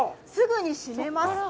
すぐにしめます。